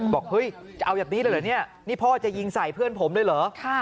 บอกเฮ้ยจะเอาแบบนี้เลยเหรอเนี่ยนี่พ่อจะยิงใส่เพื่อนผมด้วยเหรอ